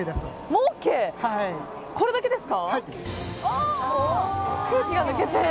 これだけですか？